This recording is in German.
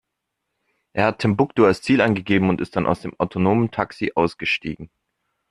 Er hat Timbuktu als Ziel eingegeben und ist dann aus dem autonomen Taxi ausgestiegen.